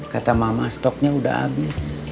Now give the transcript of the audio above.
kata mama stoknya udah habis